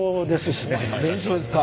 弁償ですか。